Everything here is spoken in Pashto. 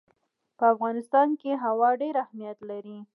په افغانستان کې هوا ډېر اهمیت لري.